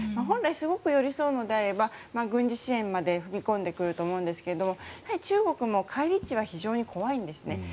本来、すごく寄り添うのであれば軍事支援まで踏み込んでくると思うんですが中国も返り血は非常に怖いんですね。